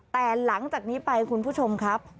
แต่หลังจากนี้ไปคุณผู้ชมครับ